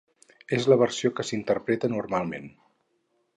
És la versió que s'interpreta normalment.